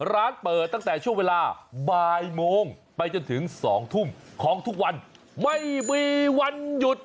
ร้านเปิดตั้งแต่ช่วงเวลาบ่ายโมงไปจนถึง๒ทุ่มของทุกวันไม่มีวันหยุด